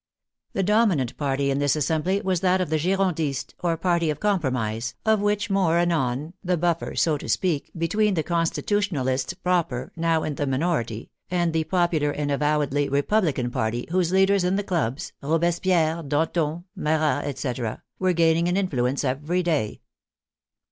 The dominant party in this Assembly was that of the Girondists, or party of compromise, of which more anon, the buffer, so to speak, between the Constitutionalists proper, now in the minority, and the popular and avow edly Republican party, whose leaders in the clubs, Robes pierre, Danton, Marat, etc., were gaining in influence every day.